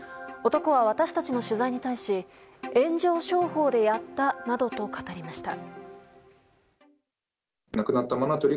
男は、私たちの取材に対し炎上商法でやったなどと語りました。